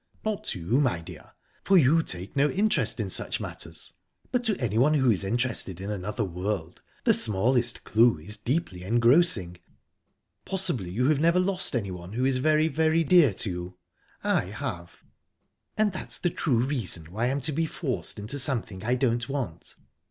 "Not to you, my dear, for you take no interest in such matters, but to anyone who is interested in another world the smallest clue is deeply engrossing. Possibly you have never lost anyone who is very, very dear to you? I have." "And that's the true reason why I'm to be forced to do something I don't want?